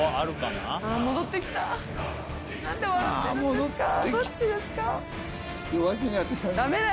どっちですか？